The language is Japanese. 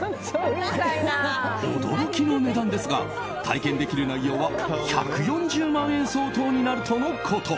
驚きの値段ですが体験できる内容は１４０万円相当になるとのこと。